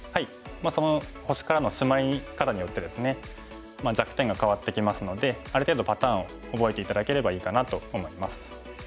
星からのシマリ方によってですね弱点が変わってきますのである程度パターンを覚えて頂ければいいかなと思います。